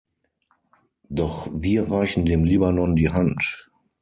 Doch wir reichen dem Libanon die Hand.